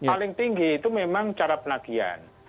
paling tinggi itu memang cara penagihan